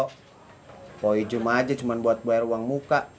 kau ijom aja cuma buat bayar uang muka